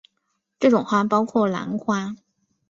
这种花包括兰花。